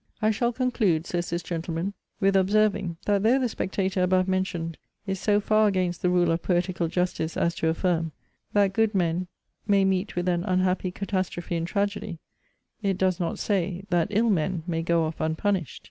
... 'I shall conclude,' says this gentleman, 'with observing, that though the Spectator above mentioned is so far against the rule of poetical justice, as to affirm, that good men may meet with an unhappy catastrophe in tragedy, it does not say, that ill men may go off unpunished.